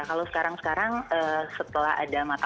kalau sekarang sekarang setelah ada mata